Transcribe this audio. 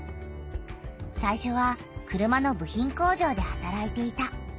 最初は車の部品工場ではたらいていた。